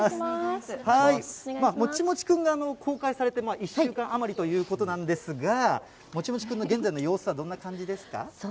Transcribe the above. もちもちくんが公開されて１週間余りということなんですが、もちもちくんの現在の様子はどんな感じですか？